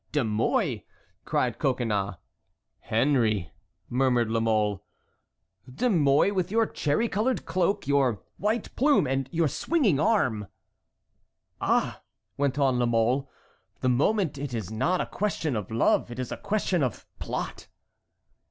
"De Mouy!" cried Coconnas. "Henry!" murmured La Mole. "De Mouy with your cherry colored cloak, your white plume, and your swinging arm." "Ah!" went on La Mole, "the moment it is not a question of love, it is a question of plot."